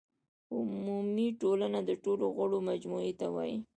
عمومي ټولنه د ټولو غړو مجموعې ته وایي.